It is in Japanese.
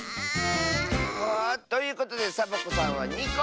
ということでサボ子さんは２こ！